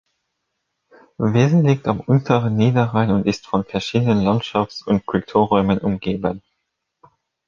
Wesel liegt am unteren Niederrhein und ist von verschiedenen Landschafts- und Kulturräumen umgeben.